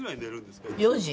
４時。